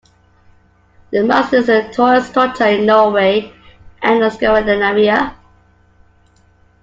The mast is the tallest structure in Norway and Scandinavia.